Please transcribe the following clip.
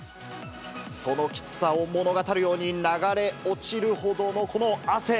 そのきつさを物語るように流れ落ちるほどのこの汗。